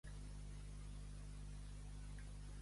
Les tesmofòries és una comèdia escrita per Aristòfanes